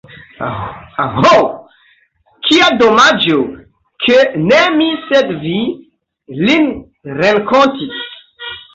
Aĥ, kia domaĝo, ke ne mi sed vi lin renkontis!